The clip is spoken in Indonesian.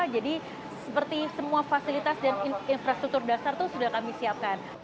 jadi seperti semua fasilitas dan infrastruktur dasar itu sudah kami siapkan